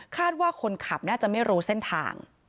ว่าคนขับน่าจะไม่รู้เส้นทาง